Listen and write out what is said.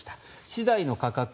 資材の価格